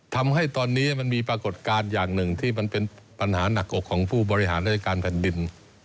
ทำให้ตอนนี้มันมีปรากฏการณ์อย่างหนึ่งที่มันเป็นปัญหาหนักอกของผู้บริหารราชการแผ่นดิน